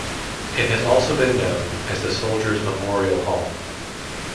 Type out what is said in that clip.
It has also been known as the "Soldiers' Memorial Hall".